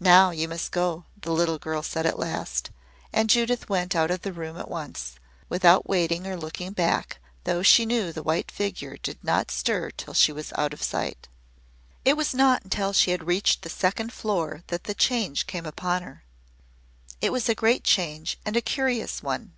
"Now, you must go," the little girl said at last. And Judith went out of the room at once without waiting or looking back, though she knew the white figure did not stir till she was out of sight. It was not until she had reached the second floor that the change came upon her. It was a great change and a curious one.